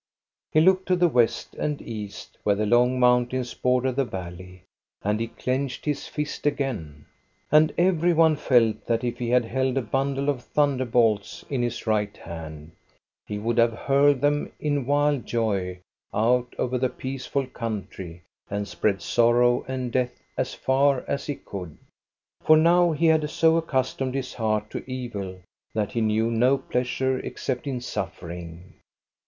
He looked to the west and east, where the long mountains border the valley, and he clenched his fist again. And every one felt that if he had held a bundle of thunderbolts in his right hand, he would have hurled them in wild joy out over the peaceful country and spread sorrow and death as far as he could. For now he had so accus tomed his heart to evil that he knew no pleasure except in suffering.